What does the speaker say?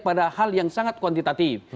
pada hal yang sangat kuantitatif